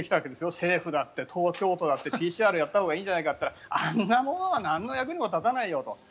政府、東京都だってＰＣＲをやったほうがいいんじゃないかと言ったらあんなもんはなんの役にも立たないよと。